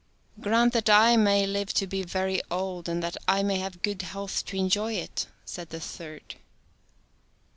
" Grant that I may live to be very old, and that I may have good health to enjoy it," said the third.